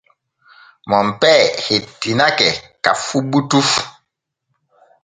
Monpee hettinake ka fu butu.